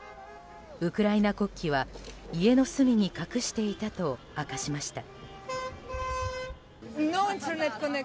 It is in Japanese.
ウクライナ国旗は家の隅に隠していたと明かしました。